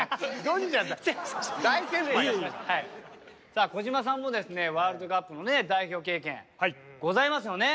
さあ小島さんもですねワールドカップのね代表経験ございますよね。